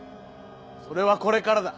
それはこれからだ。